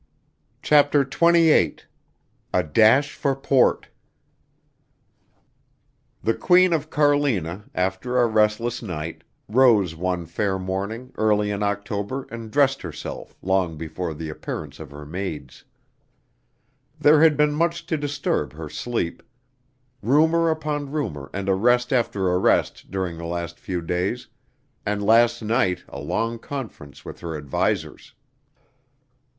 CHAPTER XXVIII A Dash for Port The Queen of Carlina, after a restless night, rose one fair morning early in October and dressed herself long before the appearance of her maids. There had been much to disturb her sleep, rumor upon rumor and arrest after arrest during the last few days, and last night a long conference with her advisers.